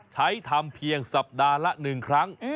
ใช้ทำเพียงสัปดาห์ละ๑ครั้ง